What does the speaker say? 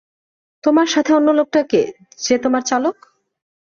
তোমার সাথে অন্য লোকটা কে, যে তোমার চালক?